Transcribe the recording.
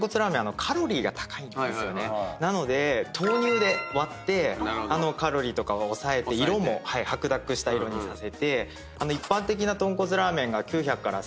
なので豆乳で割ってカロリーとかを抑えて色も白濁した色にさせて。